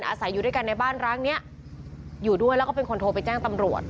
อาศัยอยู่ด้วยกันในบ้านร้างนี้อยู่ด้วยแล้วก็เป็นคนโทรไปแจ้งตำรวจ